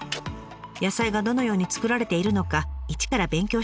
野菜がどのように作られているのか一から勉強したのです。